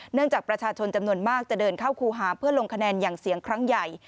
จากประชาชนจำนวนมากจะเดินเข้าครูหาเพื่อลงคะแนนอย่างเสียงครั้งใหญ่